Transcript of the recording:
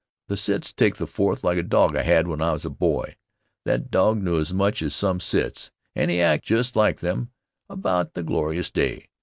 The Cits take the Fourth like a dog I had when I was a boy. That dog knew as much as some Cits and he acted just like them about the glorious day.